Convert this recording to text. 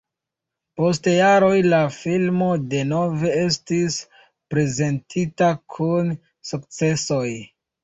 Post jaroj la filmo denove estis prezentita kun sukcesoj.